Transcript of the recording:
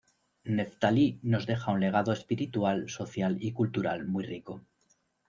Neftalí nos deja un legado espiritual, social y cultural muy rico.